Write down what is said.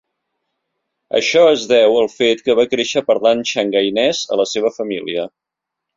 Això es deu al fet que va créixer parlant xangainès a la seva família.